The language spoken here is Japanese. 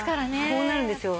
こうなるんですよ。